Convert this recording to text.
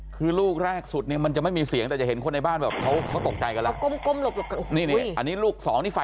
คือลูกแรกสุดเนี่ยมันจะไม่มีเสียงแต่จะเห็นคนในบ้านแบบเขาตกใจกันแล้ว